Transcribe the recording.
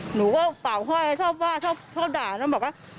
หนูก็เป่าห้อยชอบว่าชอบด่าแล้วบอกว่า